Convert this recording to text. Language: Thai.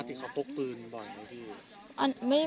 ปกติเขาพกปืนบ่อยไหมที่